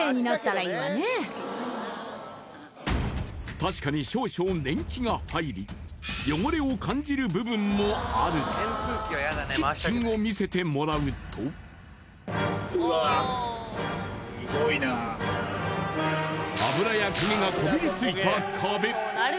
確かに少々年季が入り汚れを感じる部分もあるが、キッチンを見せてもらうと油や焦げがこびりついた壁。